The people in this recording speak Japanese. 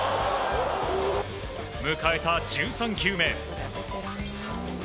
迎えた１３球目。